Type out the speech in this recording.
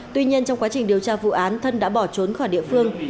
tuy nhiên trong quá trình điều tra vụ án thân đã bỏ trốn khỏi địa phương